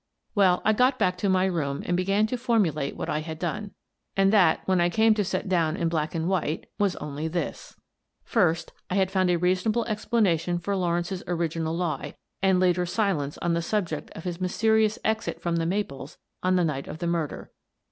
Well, I got back to my room and began to formu late what I had done — and that, when I came to set down in black and white, was only this : Bromley Grows Mysterious 219 First, I had found a reasonable explanation for Lawrence's original lie and later silence on the sub ject of his mysterious exit from " The Maples " on the night of the murder.